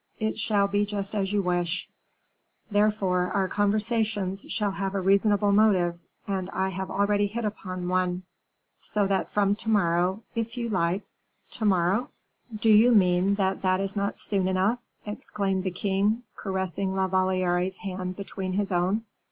It shall be just as you wish: therefore our conversations shall have a reasonable motive, and I have already hit upon one; so that from to morrow, if you like " "To morrow?" "Do you meant that that is not soon enough?" exclaimed the king, caressing La Valliere's hand between his own.